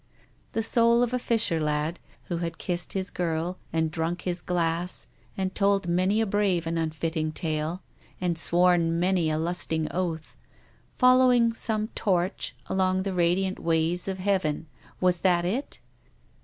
The soul of a fisher lad, who had kissed his girl, and drunk his glass, and told many a brave and unfitting tale, and sworn many a lusty oath, following some torch along the radiant ways of Heaven ! Was that it